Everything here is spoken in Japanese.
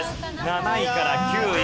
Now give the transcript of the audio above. ７位から９位。